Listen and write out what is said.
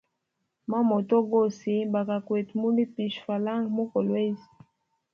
Ma moto gose bakwete mugalipisha falanga mu kolwezi.